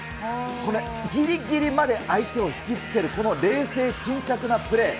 これ、ぎりぎりまで相手を引き付けるこの冷静沈着なプレー。